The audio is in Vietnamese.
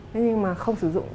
thế nhưng mà không sử dụng